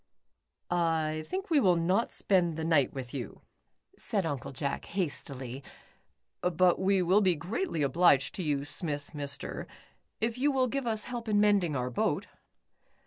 " I think we will not spend the night with you," said Uncle Jack, hastily. "But we will be greatly obliged to you Smith Mr. if you will give us help in mending our boat."